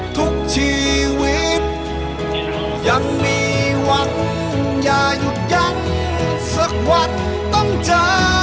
ทุกชีวิตยังมีหวังอย่าหยุดยั้งสักวันต้องเจอ